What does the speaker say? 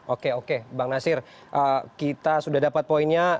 oke oke bang nasir kita sudah dapat poinnya